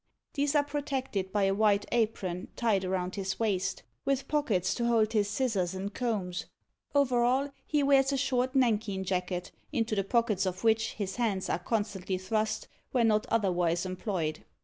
These are protected by a white apron tied round his waist, with pockets to hold his scissors and combs; over all, he wears a short nankeen jacket, into the pockets of which his hands are constantly thrust when not otherwise employed.